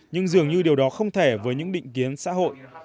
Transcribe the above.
nhưng dường như điều đó không thể với những định kiến xã hội